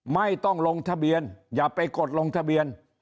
ไม่ต้องลงทะเบียนอย่าไปกดลงทะเบียน